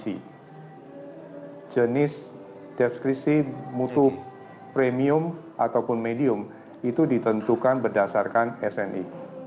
jadi jenis deskripsi mutu premium ataupun medium itu ditentukan berdasarkan sni